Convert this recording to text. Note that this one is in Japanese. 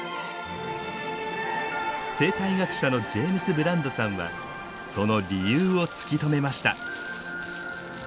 生態学者のジェームス・ブランドさんはその理由を突き止めました。